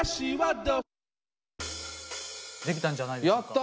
できたんじゃないでしょうか。